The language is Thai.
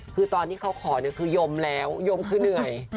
คือตอนที่เขาขอเนี่ยคือยมแล้วยมคือเหนื่อย